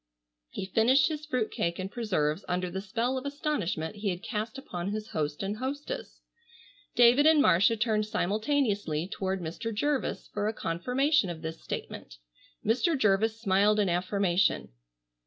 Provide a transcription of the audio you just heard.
He finished his fruit cake and preserves under the spell of astonishment he had cast upon his host and hostess. David and Marcia turned simultaneously toward Mr. Jervis for a confirmation of this statement. Mr. Jervis smiled in affirmation.